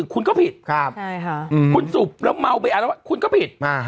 คุณก็ผิดค่ะคุณสูบแล้วเมาแยะว่าเขาคุณก็ผิด